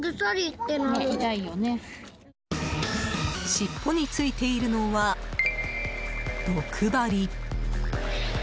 尻尾についているのは毒針。